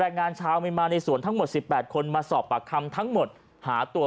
งานชาวเมียนมาในสวนทั้งหมด๑๘คนมาสอบปากคำทั้งหมดหาตัว